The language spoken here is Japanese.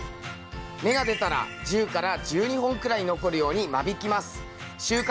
芽が出たら１０１２本くらい残るように間引きます。